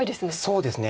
そうですね。